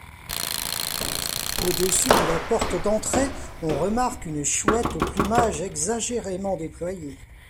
Au-dessus de la porte d'entrée, on remarque une chouette au plumage exagérément déployé.